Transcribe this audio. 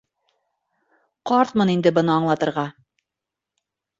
—Ҡартмын инде быны аңлатырға.